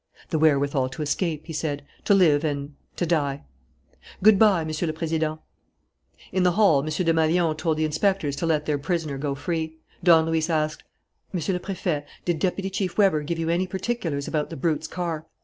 "The wherewithal to escape," he said, "to live and to die. Good bye, Monsieur le Président." In the hall M. Desmalions told the inspectors to let their prisoner go free. Don Luis asked: "Monsieur le Préfet, did Deputy Chief Weber give you any particulars about the brute's car?"